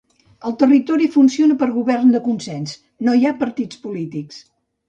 El territori funciona per govern de consens; no hi ha partits polítics